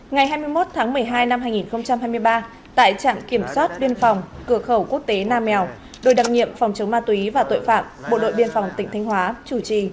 ngày hai mươi một tháng một mươi hai năm hai nghìn hai mươi ba tại trạm kiểm soát biên phòng cửa khẩu quốc tế nam mèo đội đặc nhiệm phòng chống ma túy và tội phạm bộ đội biên phòng tỉnh thanh hóa chủ trì